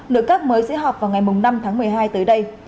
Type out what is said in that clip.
nội các mới sẽ họp vào ngày năm tháng một mươi hai tới đây